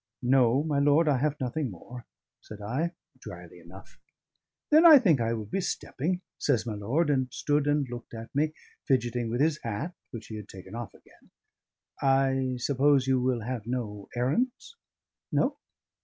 "No, my lord, I have nothing more," said I, drily enough. "Then I think I will be stepping," says my lord, and stood and looked at me, fidgeting with his hat, which he had taken off again. "I suppose you will have no errands? No?